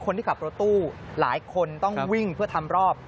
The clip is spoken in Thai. คนที่ขับรถตู้หลายคนต้องวิ่งเพื่อทำรอบ